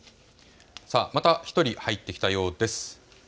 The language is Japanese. また１人、入ってきたようです。